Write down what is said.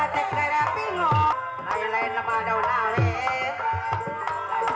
setelah dierouallo dalam modifikasi benco ini